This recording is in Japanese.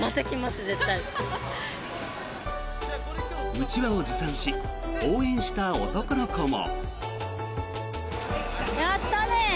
うちわを持参し応援した男の子も。